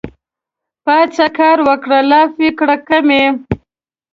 پاڅه کار وکړه لافې کړه کمې